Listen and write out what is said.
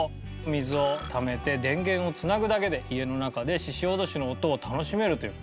水をためて電源を繋ぐだけで家の中でししおどしの音を楽しめるという。